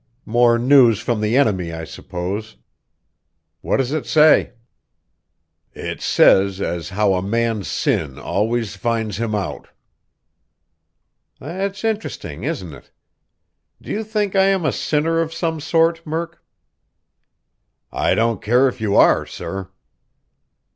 "More news from the enemy, I suppose. What does it say?" "It says as how a man's sin always finds him out." "That's interesting, isn't it? Do you think I am a sinner of some sort, Murk?" "I don't care if you are, sir!"